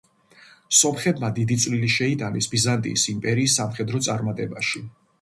სომხებმა დიდი წვლილი შეიტანეს ბიზანტიის იმპერიის სამხედრო წარმატებაში.